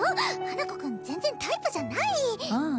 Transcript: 花子くん全然タイプじゃないああ